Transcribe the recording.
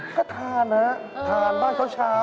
ก็ทานนะทานบ้านเช้า